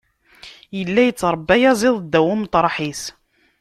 Yella yettṛebbi ayaziḍ ddaw umeṭreḥ-is.